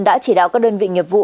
đã chỉ đáo các đơn vị nghiệp vụ